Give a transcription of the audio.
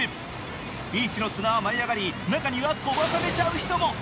ビーチの砂は舞い上がり中には飛ばされちゃう人も。